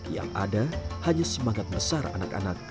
yang ada hanya semangat besar anak anak